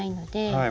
はい。